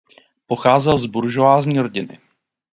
Pocházel z buržoazní rodiny.